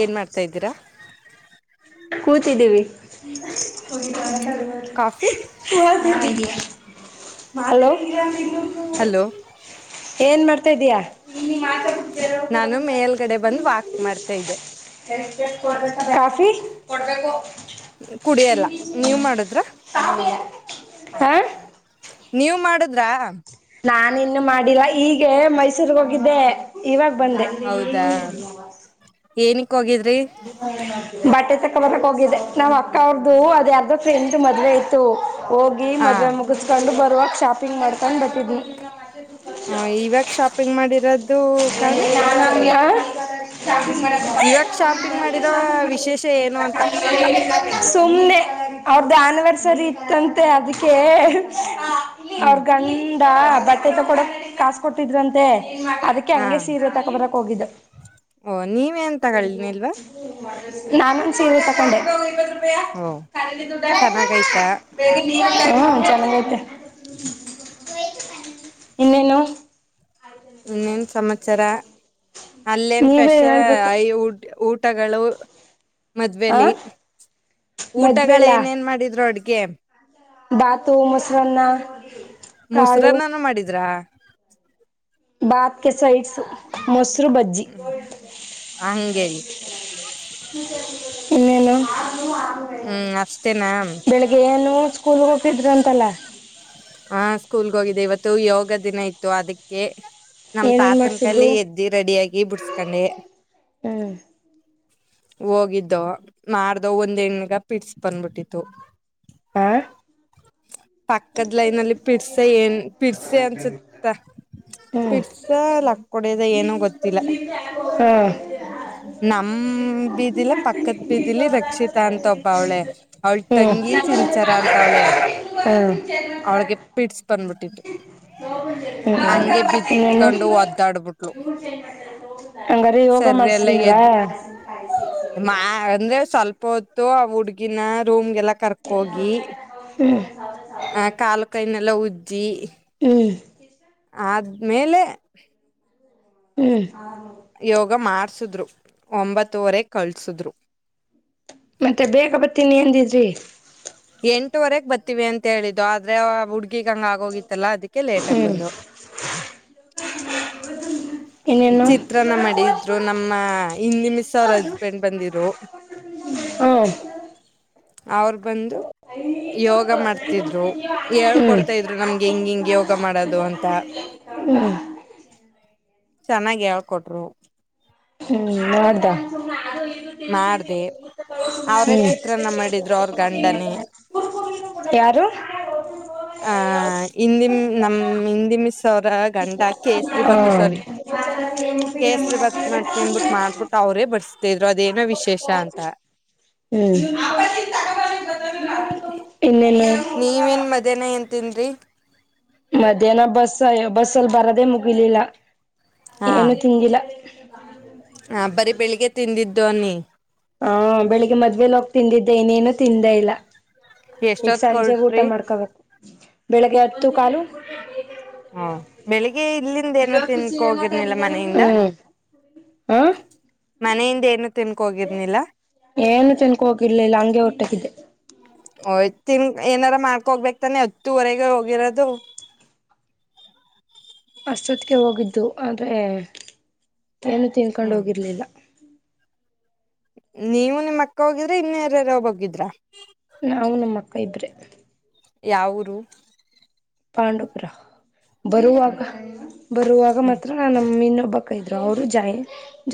ಏನ್ ಮಾಡ್ತಾ ಇದೀರಾ. ಕೂತಿದಿವಿ. Coffee hello. ಹಲೋ. ಏನು ಮಾಡ್ತಾದ್ದೀಯಾ ನಾನು ಮೇಲ್ಗಡೆ ಬಂದು ವಾಕ್ ಮಾಡ್ತಾ ಇದ್ದೆ ಕಾಫಿ ಕೊಬೇಕು ಕುಡಿಯಲ್ಲ ನೀವ್ ಮಾಡುದ್ರ ಹಾ ನೀವು ಮಾಡುದ್ರಾ ನಾ ಇನ್ನು ಮಾಡಿಲ್ಲಾ ಈಗ ಮೈಸೂರ್ಗ್ ಹೋಗಿದ್ದೆ ಇವಾಗ ಬಂದೆ ಹೌದಾ ಏನಕ್ ಹೋಗಿದ್ರಿ [inaudible] ಬಟ್ಟೆ ತಕ್ಕ ಬರಕ್ ಹೋಗಿದ್ದೆ ನಾವ್ ಅಕ್ಕ ಅವ್ರ್ದ ಅದ ಯಾರ್ದ ಫ್ರೆಂಡ್ ಮದುವೆ ಆಯತು ಹೋಗಿ ಹ ಮದುವೆ ಮುಗಿಸ್ಕೊಂಡು ಬರುವಾಗ ಶಾಪಿಂಗ್ ಮಾಡ್ಕೊಂಡು ಬಟ್ಟಿದವಿ ಹ ಇವಾಗ ಶಾಪಿಂಗ್ ಮಾಡಿರೋದು ಕಾರಣ ಆ ಇವಾಗ ಶಾಪಿಂಗ್ ಮಾಡಿರೋ ವಿಶೇಷ ಏನು ಅಂತ ಸುಮ್ಮ್ನೆ ಅವ್ರ್ದ ಆನಿವರ್ಸರಿ ಇತ್ತಂತೆ ಅದಕ್ಕೆ ಅವ್ರ ಹ್ಮ್ ಗಂಡ ಬಟ್ಟೆ ತಕಡ ಕಾಸ ಕೊಟ್ಟಿದ್ರಂತೆ ಅದಕ್ಕೆ ಹಾ ಹಂಗೆ ಸೀರೆ ತಕ ಬರಕ್ ಹೋಗಿದ್ದ ಓ ನೀವೇನ್ ತಗೊಳ್ನಿಲ್ವಾ ನಾನುಂದ ಸೀ ತಕೊಂಡೆ ಇತ್ ರೂಪಾಯ ಓ ಕ ದುಡ್ಡ ಚೆನ್ನಾಗಯ್ತಾ ಬೇಗ ಹಾ ಚೆನ್ನಾಗೈತೆ ಇನ್ನೇನು ಇನ್ನೇನ್ ಸಮಮ್ಮಚರ ಅಲ್ಲೇನ್ ನೀವೇ ಫೆಷ ಹೇಳ್ಬೇಕು ಐ ಊ ಊಟಗಳು ಆ ಮದ್ವೆಲಿ ಊಟಗಳು ಮದ್ವೆಲಾ ಏನ ನ್ ಮಾಡಿದ್ರು ಅಡ್ ಎಮ ಬಾತು ಮೊಸರನ್ನ ಕಾಳು ಮೊಸರನ್ನನು ಮಾಡಿದ್ರಾ ಬಾಪ ಕೆ ಸೈಡ್ ಹ್ಮ ಅಗೆ ಇನ್ನೇನು ಹ್ಮ್ ಅಷ್ಟೇನಾ ಸ್ಕೂಲ್ ಹೋಗಿದ್ರಂತಲ್ಲ ಹಾ ಸ್ಕೂಲ್ಗೆ ಹೋಗಿದೆ ಇವತ್ತು ಯೋಗ ದಿನ ಇತ್ತು ಅದಕ್ಕೆ ನಮ ಏನೇನ್ ತಾತನ್ ಮಾಡ್ಸಿದ್ರು ಕಲ್ಲಿ ಎದ್ದಿ ರೆಡಿಯಾಗಿ ಬಿಡ್ಸ್ಕೊಂಡೆ ಹ್ಮ್ ಹೋಗಿದ್ದ ಮಾಡ್ದ ಒಂದ್ ಹೆಣಗ ಪಿಡ್ಸ್ ಬಂದ್ಬಿಟ್ಟಿತ್ತು ಹಾ ಪಕ್ಕದ್ ಲೈನ್ಲ್ಲಿ ಪಿಡ್ಸ ಏನ್ ಪಿರ್ಸೆ ಅನ್ಸುತ್ತ ಹ್ಮ್ ಪಿರ್ಸ ಲಕ್ಕ ಕೊಡದ ಏನೋ ಗೊತ್ತಿಲ್ಲ ನಮ ಬೀದಿಲ ಪಕ್ಕತ್ ಬೀದಿಲಿ ರಕ್ಷಿತಾ ಅಂತ ಒಬ್ಬ ಅವಳೆ ಅವಳ ತಂಗಿ ಸಿನ್ಚಾರ ಅಂತ ಅವಳೆ ಅವಳಿಗೆ ಪೀಡ್ಸ್ ಬಂದ್ಬಿಟ್ಟಿು ಹ್ಮ ಇನ್ನನ್ನು ಬಿತ್ಕೊಂಡು ಒದ್ದಾಡ್ಬಿಟ್ಲು ಹಂಗಾರ ಯೋಗ ಸರಿ ಎಲ್ಲ ಮಾಡಸ್ರಿಲ್ವಾ ಎದ್ ಮಾ ಅಂದ್ರೆ ಸ್ವಲ್ಪ ಹೊತ್ತು ಆ ಹುಡ್ಗಿನ ರೂಮಗೆಲ್ಲಾ ಕರ್ಕೋಗಿ ಹ್ಮ್ ಆ ಕಾಲು ಕೈನೆೆಲ್ಲ ಉಜ್ಜಿ. ಹ್ಮ್. ಆದ್ಮೇಲೆ ಹ್ಮ್ ಯೋಗ ಮಾಡಾರ್ಸಿದ್ರು ಒಂಬತ್ತುವರೆ ಕಳ್ಸಿದ್ರು ಮತ್ತೆ ಬೇಗ ಬತ್ತೀನಿ ಎಂದಿದ್ರಿ ಎಂಟುವರೆಗೆ ಬರ್ತಿವಿ ಅಂತ ಹೇಳಿದ್ದು ಆದ್ರೆ ಹುಡ್ಗಿಗ ಹಂಗಗೆ ಆಗೋಗಿತ್ತಲ್ಲಾ ಅದಿಕ್ಕೆ ಲೇಟಾಗಿ ಹ್ಮ್ ಬಂದ ಇನ್ನೇನು ಚಿತ್ರನ ಮಾಡಿದ್ರು ನಮ್ಮ ಅಮ್ಮ ಇನ್ ನಿಮಿಸ ಅವ್ರ ಹಸ್ಬೆಂಡ್ ಬಂದಿರು ಹ್ಮ್ ಅವರು ಬಂದು ಯೋಗ ಮಾಡ್ತಿದ್ರು ಹ್ಮ್ ಹ್ಮ್ ಹೇಳ್ಕೊಡ್ತಾ ಇದ್ರು ನಮ್ಗೆ ಹಿಂಗ್ ಹಿಂಗ್ ಯೋಗ ಮಾಡೋದು ಅಂತ. ಹ್ಮ್. ಚೆನ್ನಾಗ್ ಹೇಳ್ಕೊಟ್ರು. ಹ್ಮ್ ನೋಡ್ದ. ಹ್ಮ್. ಮಾಡ್ದೆ ಅವ್ರೇ ಚಿತ್ರಾನ್ನ ಮಾಡಿದ್ರು ಅವ್ರ ಗಂಡನೇ ಯಾರು. ಹಾ ಹಿಂದಿಮ್ ನಮ್ ಹಿಂದಿ ಮಿಸ್ ಅವ್ರ್ ಗಂಡ ಕೇಸರಿಬಾತು ಸಾರಿ. ಕೇಸರಿಬಾತ್ ಮಾಡ್ತಿನಿ ಅನ್ಬಿಟ್ಟು ಮಾಡ್ಬಿಟ್ಟು ಅವ್ರೇ ಬಡ್ಸ್ತಿದ್ರು ಅದೇನೋ ವಿಶೇಷ ಅಂತ. [inaudible] ಹ್ಮ್ ಇನ್ನೇನ್ ನೀವೇನ್ ಮಧ್ಯಾಹ್ನ ಏನ್ ತಿಂದ್ರಿ. ಮಧ್ಯಾಹ್ನ ಬಸ್ ಬಸ್ಸಲ್ಲ್ ಬರದೇ ಮುಗಿಲಿಲ್ಲ ಹಾ ಏನು ತಿಂದಿಲ್ಲ. ಬರೀ ಬೆಳಿಗ್ಗೆ ತಿಂದಿದ್ದು ಅನ್ನಿ. ಹಾ ಬೆಳಿಗ್ಗೆ ಮದ್ವೇಲ್ ಹೋಗಿ ತಿಂದಿದ್ದೆ ಇನ್ನೇನು ತಿಂದೇ ಇಲ್ಲ. ಈಗ ಎಷ್ಟೊತ್ ಸಂಜೆಗ್ ಊಟ ಕೊಟ್ರಿ ಮಾಡ್ಕೋಬೇಕು ಬೆಳಿಗ್ಗೆ ಹತ್ತು ಕಾಲು. ಹಾ ಬೆಳಿಗ್ಗೆ ಇಲ್ಲಿಂದನೂ ತಿನ್ಕೊ ಹೋಗಿರ್ನಿಲ್ಲ ಮನೆಯಿಂದ. ಹ್ಮ್ ಹ ಮನೆಯಿಂದೇನು ಏನು ತಿನ್ಕೊ ಹೋಗಿರ್ಲಿಲ್ಲ ಹಂಗೆ ಹೊಟ್ಟೋಗಿದ್ದೆ. ಓಯ್ ತಿನ್ ಏನಾರ ಮಾಡ್ಕೊ ಹೋಗ್ಬೇಕ್ ತಾನೆ ಹತ್ತುವರೆಗೆ ಹೋಗಿರೋದು. ಅಷ್ಟೊತ್ತಿಗೆ ಹೋಗಿದ್ದು ಆದ್ರೆ ಏನು ತಿನ್ಕೊಂಡ್ ಹ್ಮ್ ಹೋಗಿರ್ಲಿಲ್ಲ. ನೀವು ನಿಮ್ಮಕ್ಕ ಹೋಗಿದ್ರಾ ಇನ್ನರಾರ ಹೋಗಿದ್ರಾ. ನಾವು ನಮ್ಮಕ್ಕ ಇಬ್ರೆ. ಯಾವೂರು. ಪಾಂಡವಪುರ ಬರುವಾಗ ಬರುವಾಗ ಹ್ಮ್ ಮಾತ್ರ ನಮ್ ಇನ್ನೊಬ್ ಬ್ಬಕ್ಕ ಇದ್ರು ಅವ್ರು ಜಾಯಿನ್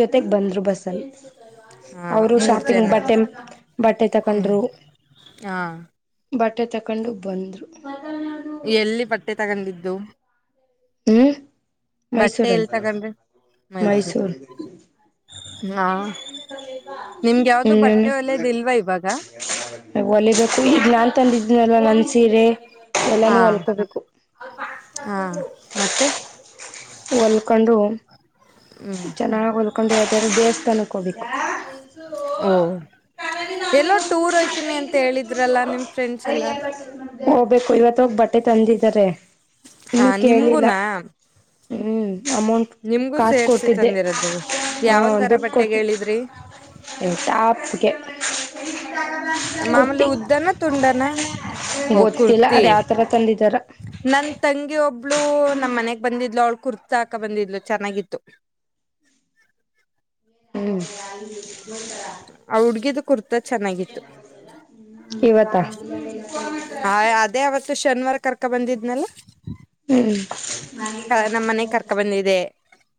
ಜೊತೆಗ್ ಬಂದ್ರು ಬಸ್ಸಲ್ಲಿ. ಹಾ ಅವರು ಮೂರ್ ಶಾಪಿಂಗ್ ಜನ ಬಟ್ಟೆ ಬಟ್ಟೆ ಹ್ಮ್ ತಕೊಂಡ್ರು. ಹಾ ಬಟ್ಟೆ ತಕ್ಕೊಂಡು ಬಂದ್ರು. ಎಲ್ಲಿ ಬಟ್ಟೆ ತಗೊಂಡಿದ್ದು. ಹ್ಮ್ ಬಟ್ಟೆ ಎಲ್ಲಿ ಮೈಸೂರಲ್ಲಿ ತಗೊಂಡ್ರಿ ಮೈಸೂರು ಮೈಸೂರ್. ಹಾ ನಿಮ್ಗೆ ಯಾವ್ದು ಇನ್ನೇನು. ಬಟ್ಟೆ ಒಳ್ಳೇದಿಲ್ವಾ ಇವಾಗ ಹೊಲಿಬೇಕು ಈಗ್ ನಾನ್ ತಂದಿದ್ನಲ್ಲ ನನ್ ಸಿ ಸೀರೆ ಎಲ್ಲಾನು ಹಾ ಹೊಲ್ಕೋಬೇಕು. ಹಾ ಮತ್ತೆ ಹೊಲ್ಕೊಂಡು ಹ್ಮ್ ಚೆನ್ನಾಗ್ ಹೊಲ್ಕೊಂಡು ಯಾವುದರ ದೇವಸ್ಥಾನಕ್ಕ್ ಹೋಬೇಕು. ಓಹ್ ಎಲ್ಲೋ ಟೂರ್ ಹೋಯ್ತೀನಿ ಅಂತ ಹೇಳಿದ್ರಲ್ಲ ನಿಮ್ ಫ್ರೆಂಡ್ಸ್ ಎಲ್ಲ. ಹೋಗ್ಬೇಕು ಇವತ್ತೋಗ್ ಬಟ್ಟೆ ತಂದಿದ್ದಾರೆ. ಹಾ ಇನ್ನು ಕೇಳಿಲ್ಲ ನಿಮ್ಗೂನಾ. ಹ್ಮ್ ಅಮೌಂಟ್ ಕಾಸ್ ಕೊಟ್ಟಿದ್ದೆ ತಂದಿರೋದು ಹಾ ಯಾವ ತರ ದುಡ್ಡ್ ಬಟ್ಟೆಗೆ ಕೊಟ್ಟ್ ಹೇಳಿದ್ರಿ ಹೇ ಟಾಪ್ಗೇ. [inaudible] ಮಾಮೂಲಿ ಉದ್ದನಾ ತುಂಡಾನ. ಓ ಗೊತ್ತಿಲ್ಲ ಕುರ್ತಿ ಅದ ಯಾವತರ ತಂದಿದಾರ ನನ್ ತಂಗಿ ಒಬ್ಳು ನಮ್ ಮನೆಗ್ ಬಂದಿದ್ಲು ಅವ್ಳ್ ಕುರ್ತ ಹಾಕ ಬಂದಿದ್ಲು ಚೆನ್ನಾಗಿತ್ತು. ಹ್ಮ್. ಆ ಹುಡ್ಗಿದು ಕುರ್ತಾ ಚೆನ್ನಾಗಿತ್ತು ಇವತ್ತಾ. ಆಯಾ ಅದೇ ಅವತ್ತು ಶನಿವಾರ ಕರ್ಕ ಬಂದಿದ್ನಲ್ಲ. ಹ್ಮ್ ನಮ್ ಮನೆಗ್ ಕರ್ಕ ಬಂದಿದೆ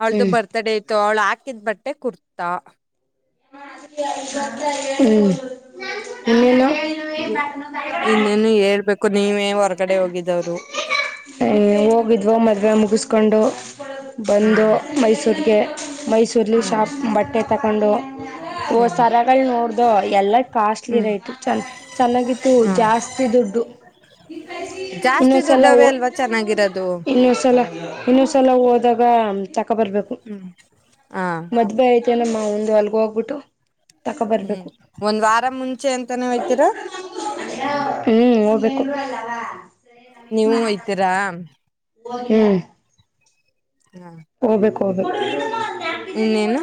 ಅವಳ್ದು ಹ್ಮ್ ಬರ್ತ್ಡೇ ಇತ್ತು ಅವ್ಳು ಆಕ್ ಇದ್ ಬಟ್ಟೆ ಕುರ್ತಾ. ಹ್ಮ್ ನಿಿನ [unintelligible] ಇನ್ನೇನು ಹೇಳ್ಬೇಕು ನೀವೇ ಹೊರಗಡೆ ಹೋಗಿದವ್ರು ಹೋಗಿದ್ವೋ ಮದ್ವೆ ಮುಗಿಸ್ಕೊಂಡು ಬಂದು ಹ್ಮ್ ಮೈಸೂರಿಗೆ ಮೈಸೂರಲ್ಲಿ ಹ್ಮ್ ಶಾಪ್ ಬಟ್ಟೆ ತಗೊಂಡು ಓ ಹ್ಮ್ ಸರಾಗಲ್ ನೋಡ್ದ ಎಲ್ಲ ಕಾಸ್ಟ್ಲಿ ಹ್ಮ್ ರೈತು ಚ ಚೆನ್ನಾಗಿತ್ತು ಹ್ಮ್ ಜಾಸ್ತಿ ದುಡ್ಡು ಜಾಸ್ತಿ ಇನ್ನೊಂದ್ಸಲ ದುಡ್ಡವೇ ಓ ಅಲ್ವಾ ಚೆನ್ನಾಗಿ ಇನ್ನೊಂದ್ಸಲ ಇನ್ನೊಂದ್ಸಲ ಹೋದಾಗ ಅಕ್ಕ ಬರ್ಬೇಕು ಹ್ಮ್ ಹಾ ಮದ್ವೆ ಐತಿ ಅಲ್ಲಮ್ಮ ಮುಂದು ಅಲ್ಗ ಹೋಗ್ಬಿಟ್ಟು ತಕೋ ಹ್ಮ್ ಬರ್ಬೇಕು ಒಂದ್ ವಾರ ಮುಂಚೆ ಅಂತಾನೇ ಹೋಯ್ತೀರಾ ಹ್ಮ್ ಬ ನೀವು ಹಯ್ತೀರಾ ಹ ಹ ಹ ಹೋಗ್ಬೇಕು ಹೋಗ್ಬೇಕು ಇನ್ನೇನು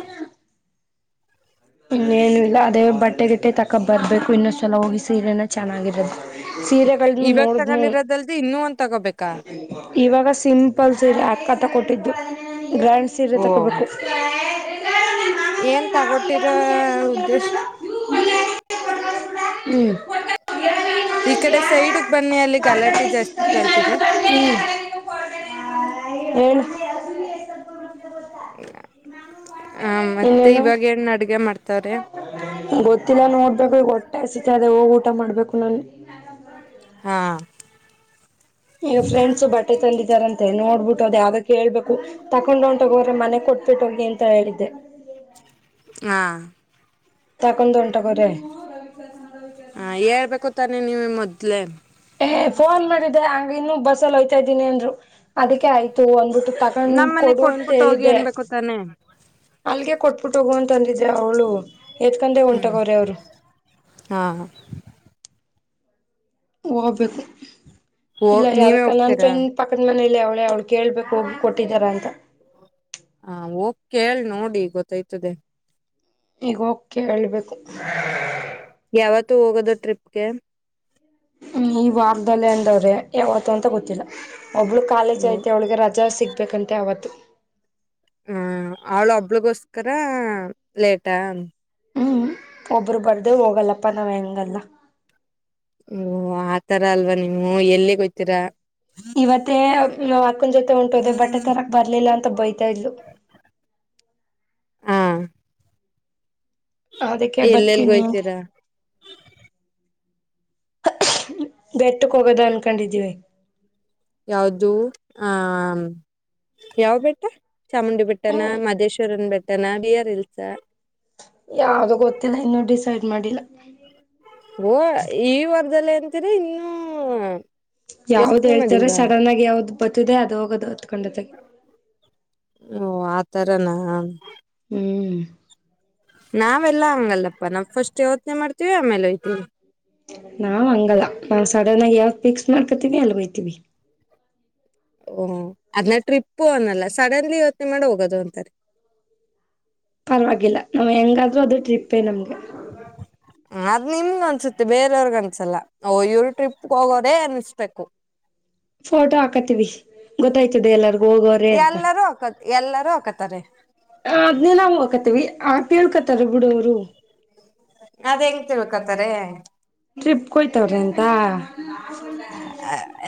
ಇನ್ನೇನು ಇಲ್ಲ ಅದೇ ಬಟ್ಟೆಗಟ್ಟೆ ತಕ ಬರ್ಬೇಕು ಇನ್ನೊ್ಸಲ ಹೋಗಿ ಸೀರೆನ ಚೆನ್ನಾಗಿರದು ಸೀರೆಗಳಗಳನ್ನು ಇವಾಗ ನೋಡಿದ್ಮ ತಗೊಂಡಿರೋದಲ್ದ ಇನ್ನೂ ಒಂದ ತಗೋಬೇಕಾ ಇವಾಗ ಸಿಂಪಲ್ ಸೀರೆ ಹಕ ತಗೊಟ್ಟಿದ್ದು ಗ್ರ್ಯಾಂಡ್ ಸೀರೆ ಓ ತಗೋಬೇಕು ಏನ್ ತಗೊಟ್ಟಿರೋ ಉದ್ದೇಶ ಹ್ಮ್ ಈ ಕಡೆ ಸೈಡ್ಗ್ ಬನ್ನಿ ಅಲ್ಲಿ ಗಲಾಟೆ ಜಾಸ್ತಿ ಕಳ್ತಿದೆ ಏನು ಆ ಮತ್ತೆ ಇನ್ನೇನು ಇವಾಗ ಏನ್ ಅಡ್ಗೆ ಮಾಡ್ತವ್ರ ಗೊತ್ತಿಲ್ಲ ನೋಡ್ಬೇಕು ಈ ಒಟ್ಟೆಸತಿ ಅದೇ ಹೋಗ್ ಊಟ ಮಾಡ್ಬೇಕು ನಾನು ಹಾ ಈಗ ಫ್ರೆಂಡ್ಸ್ ಬಟ್ಟೆ ತಲ್ಲ ರಂತೆ ನೋಡ್ಬಿಟ್ಟು ಅದ ಯಾವ್ದದಕ್ಕ ಕೇಳ್ಬೇಕು ತಕೊಂಡ್ ಹೊಂಟಗೋ್ರೆ ಮನೆ ಕೊಟ್ಬಿಟ್ಟು ಹೋಗಿ ಅಂತ ಹೇಳಿದ್ದೆ ಹಾ ತಕೊಂಡ ಒಂಟೆಗೊರೆ ಹ ಹೇಳ್ಬೇಕು ತಾನೆ ನೀವ ಮೊದ್ಲೆ ಫೋನ್ ಮಾಡಿದ್ದೆ ಹಂಗ ಇನ್ನುೂ ಬಸ್ಸಲ್ಲಿ ಹೋಯ್ತಾ ಇದ್ದೀನಿ ಅನ್ರು ಅದಕ್ಕೆ ಆಯ್ತು ಒಂದ್ಬಿಟ್ಟು ತಗೊಂಡ್ ನಮ್ ಮನೆ ಕೊಡ ಅಂತ ಕೊಟ್ಬಿಟ್ಟು ಹೋಗಿ ಹೇಳಿದೆ ಅನ್ಬೇಕು ತಾನೆ ಅಲ್ಲಿಗೆ ಕೊ ಟ್ಟ ಹೋಗುವ ಅಂತ ಅಂದಿದ್ದೆ ಅವಳು ಎತ್ಕೊಂಡೆ ಉಂಟಗೋ್ರೆ ಅವರು ಹಾ ಹೋಗ್ಬೇಕು ಓ ಇಲ್ಲ ನೀವೇ ಯಾರಕ್ಕಲ್ಲ ಹೋಗ್ತೀರಾ ಅಂತನ್ ಪಕ್ಕದ ಮನೆ ಇಲ್ಲ ಅವಳೇ ಅವಳು ಕೇಳ್ಬೇಕು ಹೋಗಿ ಕೊಟ್ಟಿದ್ದಾರ ಅಂತ ಹ ಹೋಗ್ ಕೇಳ್ ನೋಡಿ ಗೊತ್ತಾಯ್ತದೆ ಈಗ ಕೆ ಹೇಳ್ಬೇಕು ಯಾವತ್ತೂ ಹೋಗೋದು ಟ್ರಿಪ್ಗೆ ಹ್ಮ್ ಈ ವಾರದದಲ್ಲಿ ಅಂದವ್ರೆ ಯಾವತ ಅಂತ ಗೊತ್ತಿಲ್ಲ ಒಬ್ಳು ಕಾಲೇಜ್ ಹ್ಮ ಐತೆ ಅವಳಿಗೆ ರಜಾ ಸಿಗ್ಬೇಕಂತೆ ಅವತ್ತು ಹ್ಮ ಅವಳು ಹಬ್ಬಳಗೋಸ್ಕರ ಲಟಾ ಹ್ಮ್ ಒಬ್ರು ಬರ್ದು ಹೋಗಲ್ಲಪ್ಪಾ ನಾವ ಹೆಂಗಲ್ಲ ಹ್ಮ ಆತರ ಅಲ್ವಾ ನೀವು ಎಲ್ಲಿಗೋಯ್ತೀರಾ ಇವತ್ತೇ ಅಕ್ಕನ ಜೊತೆ ಉಂಟೋದೆ ಬಟ್ಟೆ ತರಕ್ ಬರ್ಲಿಲ್ಲ ಅಂತ ಮತ್ತ ಬಯತಾ ಇಲು ಹಾ ಅದಕ್ಕೆ ಬರ್ತೀನಿ ಅಂತ ಎಲ್ಲೆಲ್ಗೋಯ್ತೀರಾ ಬೆಟ್ಟಕ್ ಹೋಗೋದ ಅನ್ಕೊಂಡಿದೀವಿ ಯಾವ್ದು ಆ ಯಾವ ಬೆಟ್ಟ ಚಾಮುಂಡಿ ಬೆಟ್ಟಣ ಹ್ಮ್ ಮದೇಶ್ವರನ್ ಬೆಟ್ಟಣ ಬಿಯರ್ ಹಿಲ್ಸ ಯಾವ್ದು ಗೊತ್ತಿಲ್ಲ ಇನ್ನುೂ ಡಿಸೈಡ್ ಮಾಡಿಲ್ಲ. ಓ ಈ ವರ್ದದಲ್ಲಿ ಅಂತೀರಿ ನೀೂ. ಯಾವ್ದ್ ಹೇಳ್ತಾರೆ ಸಡನ್ ಆಗಿ ಯಾವ್ದ್ ಬರ್ತದೆ ಅದದು ಹೋಗದ. ಓ ಆತರನಾ. ಹ್ಮ್. ನಾವೆಲ್ಲ ಹಂಗಲ್ಲಪ್ಪಾ ನಾವವು ಫಸ್ಟ್ ಯೋಚ್ನೆ ಮಾಡ್ತೀವಿ ಆಮೇಲೆ ಹಯ್ತೀವಿ. ನಾವ್ ಹಂಗಲ್ಲ ನಾ ಸಡನ್ ಆಗಿ ಯಾವ್ದ್ ಫಿಕ್ಸ್ ಮಾಡ್ಕೊತಿವಿ ಅಲ್ಲಿ ಹೋಯ್ತೀವಿ. ಓ ಅದ್ಮೇ ಟ್ರಿಪ್ಪು ಅನ್ನಲ್ಲ ಸಡನ್ಲಿ ಯವತ್ನೆ ಮಾಡಿ ಹೋಗೋದು ಅಂತಾರೆ. [inaudible] ಪರವಾಗಿಲ್ಲ ನಾವ್ ಹೆಂಗಾದ್ರರು ಅದು ಟ್ರಿಪ್ಪೇ ನಮ್ಗೆ. ಅದ್ ನಿಮ್ ಅನ್ಸುತ್ತೆ ಬೇರೆಯವರ್ಗ್ ಅನ್ಸಲ್ಲ ಇವ್ರು ಟ್ರಿಪ್ಗೆ ಹೋಗೋರೇ ಅನ್ಸ್ಬೇಕು. [inaudible] ಫೋಟೋ ಹಾಕತ್ತೀವಿ ಗೊತ್ತಾಯ್ತದೆ ಎಲ್ಲರ್ಗು ಹೋಗೋರೆ ಅಂತ. ಎಲ್ಲರೂ ಹಾಕ ಎಲ್ಲರೂ ಹಾಕತಾರೆ. ಅದ್ನೇ ನಾವು ಹಾಕತಿವಿ ಆ ಕೇಳ್ಕತಾರ ಬಿಡು ಅವರು ಅದ್ ಹೆಂಗ ತಿಳ್ಬೇಕತ್ತಾರೆ. ಟ್ರಿಪ್ಗೆ ಹೋಯ್ತವ್ರೆ ಅಂತ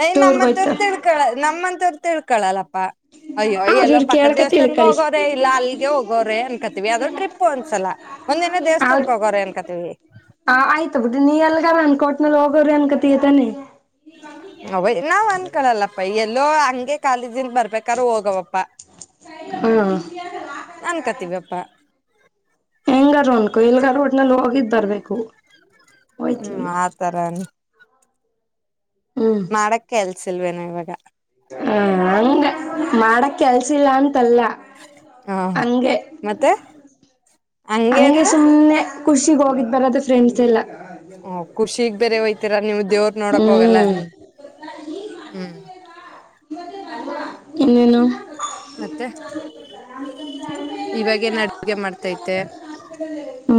ಏ ಟೂರ್ಗ್ ನಮ್ಮಂತೂರು ಹೋಯ್ತವ್ರ ತಿಳ್ಕೊಳ ನಮ್ಮಂತೂರು ತಿಳ್ಕ. ಪ್ಪ [inaudible] ಅಯ್ಯೋ ಅವ್ರ ಎಲ್ಲೋ ಇವ್ರ ಪಕ್ಕದ ಕೇಳ್ಕ ದೇವಸ್ಥಾನ ತಿಳ್ಕಳಿ ಹೋಗೋರೆ ಇಲ್ಲ ಅಲ್ಲಿಗೆ ಹೋಗೋರೆ ಅನ್ಕತೀವಿ ಅದೋ ಟ್ರಿಪ್ ಒಂದ್ಸಲ. ಒಂದೆನ ದವಸ್ಥದಲ್ಲಿ. ಹ ಆಯ್ತು ಬಿುಟ್ಟ ನೀ ಎಲ್ಗಾರ ಅನ್ಕೋಟ್ನಲ್ಲಿ ಹೋಗೋರಿ ಅನ್ಕತತಾನೆ. ಅವ ನಾವ್ ಅನ್ಕಳಲ್ಲಪ್ಪ ಎಲ್ಲೋ ಹಂಗೆ ಕಾಲಿದ್. ನ್ ಬರ್ಬೇಕಾರ ಹೋಗವಪ್ಪ ಹಾ ಅನ್ಕತ್ತಿವಪ್ಪಾ. ಹೆಂಗಾರ ಒನ್ಕು ಎಲ್ಗ ರೋಡ್ ನಲ್ಲಿ ಹೋಗಿದ್ ಬರ್ಬೇಕು. ಹ್ಮ್ ಹೋಯ್ತೀವಿ ಆತರ. ಹ್ಮ್ ಮಾಡಕ ಎಲ್ಸಿಲ್ವೇನ ಇವಾಗ. ಹ ಹಂಗ ಮಾಡಕ್ ಕೆಲ್ಸಿಲ್ಲ ಅಂತಲ್ಲ. ಹ ಹಾಂಗೆ ಮತ್ತೆ ಹಂಗೆ ಸುಮ್ಮ್ನೆ ಖುಷಿಗೆ ಹೋಗಿದ್ ಬರದ ಫ್ರೆಂಡ್ಸ್ ಎಲ್ಲಾ. ಹಓ ಖುಷಿಗ್ ಬೇರೆ ಹೊಯ್ತರ ನೀವು ದೇವ್ರ ನೋಡಕ್ ಹೋಗಲ್ಲ ಹ್ಮ್ ನಿಮ್. ಹ್ಮ್. ಇನ್ನೇನು. ಮತ್ತೆ ಇವಾಗೇನ್ ಅಡುಗೆ ಮಾಡ್ತೈತೆ. ಹ್ಮ.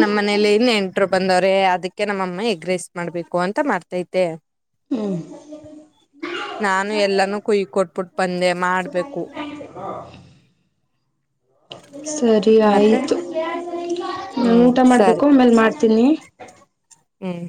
ನಮ್ಮ್ ಮನೆ ಯಲ್ಲಿ ನೆಂಟರ್ ಬಂದರ್. ಅದಕ್ಕೆ ನಮ್ಮ ಅಮ್ಮ ಎಗ್ ರೈಸ್ ಮಾಡ್ಬೇಕು ಅಂತ ಮಾಡ್ತೈತೆ. ಹ್ಮ್ ನಾನು ಎಲ್ಲಾನೂ ಕುಯಕೊಟ್ಬಿಟ್ಟು ಬಂದೆ ಮಾಡ್ಬೇಕು. ಸರಿ ಮತ್ತೆ ಆಯ್ತು. ನಾ ಹ್ಮ್ ಊಟ ಮಾಡ್ಬೇಕು ಸರಿ ಆಮೇಲ್ ಮಾಡ್ತೀನಿ. ಹ್ಮ್.